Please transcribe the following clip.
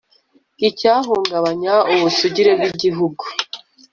icyahungabanya ubusugire bw igihugu